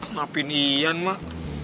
maafin ian emak